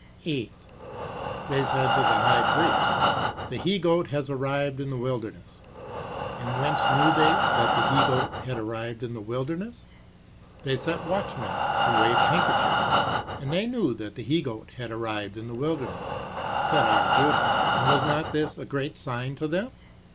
8. They said to the High Priest, "the he goat has arrived in the wilderness." "And whence knew they that the he goat had arrived in the wilderness?" "They set watchmen, who waved handkerchiefs, and they knew that the he goat had arrived in the wilderness." Said R. Judah, "and was not this a great sign to them?